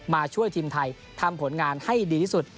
มาช่วยทีมไทยทำผลงานให้ดีที่สุด